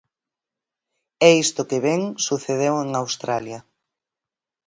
E isto que ven sucedeu en Australia.